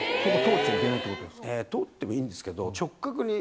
逮捕⁉通ってもいいんですけど。